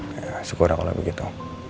ya syukur aku lagi gitu